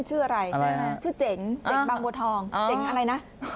ชื่อเจ๋งเจ๋งบางบัวทองเจ๋งอะไรนะ